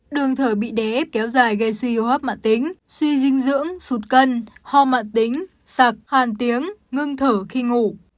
đường thở bị ép kéo dài gây suy hô hấp mạng tính suy dinh dưỡng sụt cân ho mạng tính sạc hàn tiếng ngưng thở khi ngủ